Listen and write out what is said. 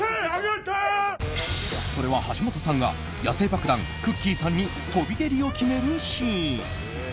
それは橋本さんが野性爆弾くっきー！さんに飛び蹴りを決めるシーン。